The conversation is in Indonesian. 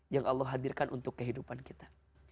yang allah hadirkan untuk kehidupan kita